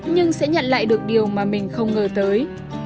nhưng sẽ nhận lại được điều mà mình không ngờ tới